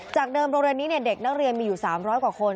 เดิมโรงเรียนนี้เด็กนักเรียนมีอยู่๓๐๐กว่าคน